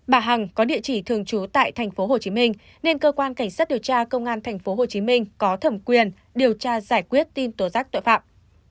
bà hằng có địa chỉ thường trú tại tp hcm nên cơ quan cảnh sát điều tra công an tp hcm có thẩm quyền điều tra giải quyết tin tố giác tội phạm